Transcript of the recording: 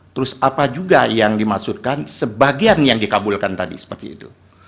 terus apa juga yang dimaksudkan sebagian yang dikabulkan tadi seperti itu